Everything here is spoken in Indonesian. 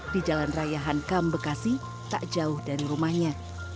di jalan raya hankam bekasi tak jauh dari rumahnya